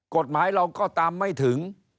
กฎหมายเราก็ตามไม่ถึง